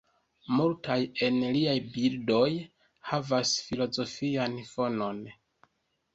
Multaj el liaj bildoj havas filozofian fonon.